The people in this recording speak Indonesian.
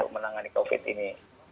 untuk menangani covid ini